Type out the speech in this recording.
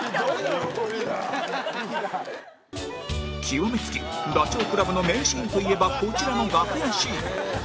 極め付きダチョウ倶楽部の名シーンといえばこちらの楽屋シーン